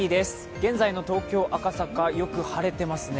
現在の東京・赤坂よく晴れてますね。